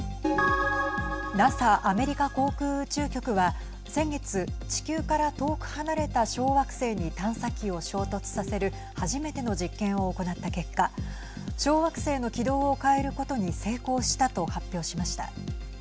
ＮＡＳＡ＝アメリカ航空宇宙局は先月、地球から遠く離れた小惑星に探査機を衝突させる初めての実験を行った結果小惑星の軌道を変えることに成功したと発表しました。